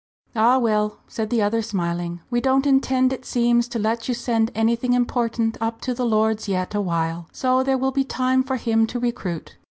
"Ah, well," said the other, smiling, "we don't intend it seems to let you send anything important up to the Lords yet awhile, so there will be time for him to recruit."